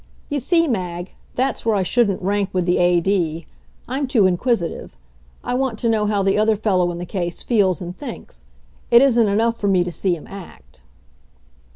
You see, Mag, that's where I shouldn't rank with the A.D. I'm too inquisitive. I want to know how the other fellow in the case feels and thinks. It isn't enough for me to see him act.